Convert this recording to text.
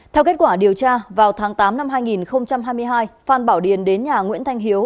theo kết quả điều tra vào tháng tám năm hai nghìn hai mươi hai phan bảo điền đến nhà nguyễn thanh hiếu